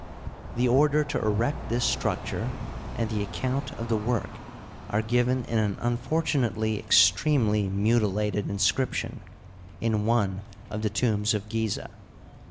The order to erect this structure and the account of the work are g^ven in an unfortunately ex tremely mutilated inscription in one of the tombs of Gizeh.